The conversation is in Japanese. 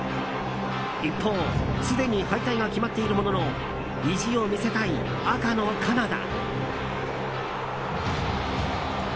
一方、すでに敗退が決まっているものの意地を見せたい赤のカナダ。